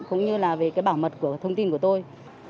cũng như là về cái bảo mật của thông tin của tôi